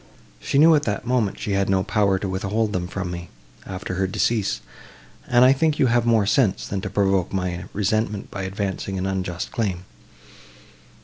She knew at that moment, she had no power to withhold them from me, after her decease; and I think you have more sense, than to provoke my resentment by advancing an unjust claim.